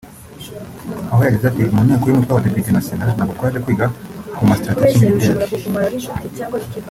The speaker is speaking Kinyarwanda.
Aho yagize ati “Mu nteko y’umutwe w’abadepite na Sena ntabwo twaje kwiga ku ma ‘strategies militaries